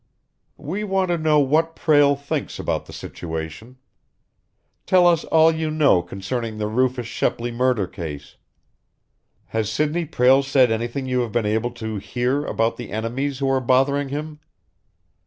"We want to know what Prale thinks about the situation. Tell us all you know concerning the Rufus Shepley murder case. Has Sidney Prale said anything you have been able to hear about the enemies who are bothering him?